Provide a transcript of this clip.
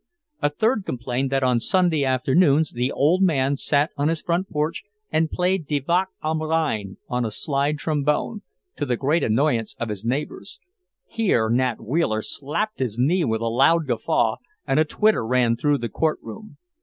A third complained that on Sunday afternoons the old man sat on his front porch and played Die Wacht am Rhein on a slide trombone, to the great annoyance of his neighbours. Here Nat Wheeler slapped his knee with a loud guffaw, and a titter ran through the courtroom.